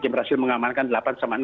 yang berhasil mengamankan delapan sama enam